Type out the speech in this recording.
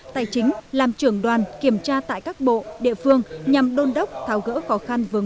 tài chính làm trưởng đoàn kiểm tra tại các bộ địa phương nhằm đôn đốc tháo gỡ khó khăn vướng